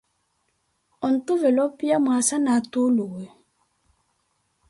Ontuvela opiya mwaasa na atuluwe.